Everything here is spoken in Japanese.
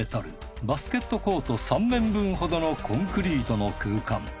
バスケットコート３面分ほどのコンクリートの空間。